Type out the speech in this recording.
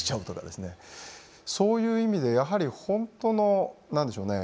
そういう意味でやはり本当の何でしょうね？